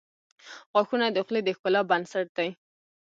• غاښونه د خولې د ښکلا بنسټ دي.